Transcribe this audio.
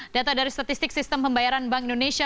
data dari statistik sistem pembayaran bank indonesia